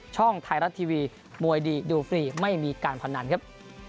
ช่องไทยรัฐทีวีมวยดีดูฟรีไม่มีการพนันครับ